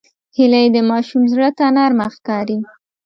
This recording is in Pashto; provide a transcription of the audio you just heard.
هیلۍ د ماشوم زړه ته نرمه ښکاري